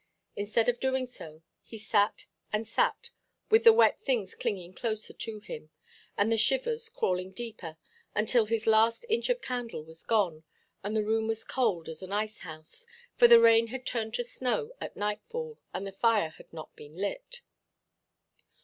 Instead of doing so, he sat and sat, with the wet things clinging closer to him, and the shivers crawling deeper, until his last inch of candle was gone, and the room was cold as an icehouse, for the rain had turned to snow at nightfall, and the fire had not been lit.